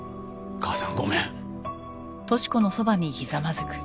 母さんごめん。